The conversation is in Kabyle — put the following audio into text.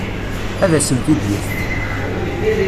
Ad asen-t-id-ifek.